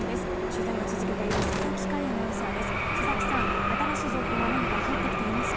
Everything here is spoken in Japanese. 取材を続けている佐々木快アナウンサーです。